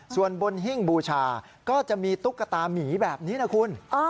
ส่วนบนหิ้งบูชาก็จะมีตุ๊กตามีแบบนี้นะคุณ